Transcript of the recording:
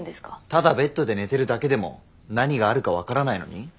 ただベッドで寝てるだけでも何があるか分からないのに？